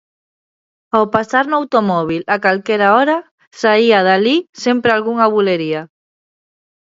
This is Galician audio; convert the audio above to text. Ao pasar no automóbil a calquera hora, saía de alí sempre algunha bulería.